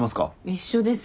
一緒です